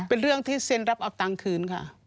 เป็นเรื่องที่เซ็นรับเอาตังค์คืนค่ะ